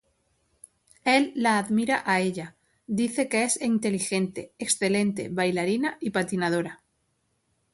Él la admira a ella, dice que es inteligente, excelente bailarina y patinadora.